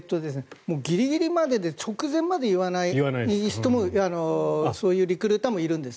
ギリギリまで直前まで言わない人もそういうリクルーターもいるんです。